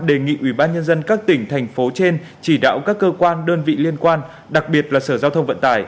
đề nghị ủy ban nhân dân các tỉnh thành phố trên chỉ đạo các cơ quan đơn vị liên quan đặc biệt là sở giao thông vận tải